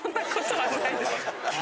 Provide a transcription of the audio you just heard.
はい。